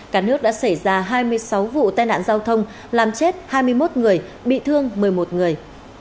cả nước đã xảy ra hai mươi sáu vụ tai nạn giao thông làm chết hai mươi một người bị thương một mươi một người